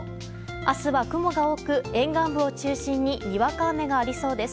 明日は雲が多く、沿岸部を中心ににわか雨がありそうです。